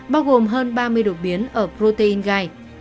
bao gồm hơn ba mươi đột biến ở protein gai